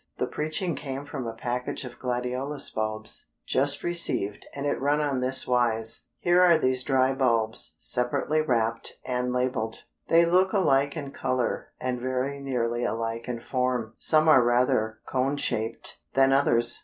The preaching came from a package of gladiolus bulbs, just received, and it run on this wise: Here are these dry bulbs, separately wrapped and labeled. They look alike in color, and very nearly alike in form; some are rather more cone shaped than others.